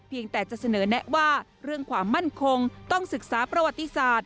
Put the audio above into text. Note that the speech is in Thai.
จะเสนอแนะว่าเรื่องความมั่นคงต้องศึกษาประวัติศาสตร์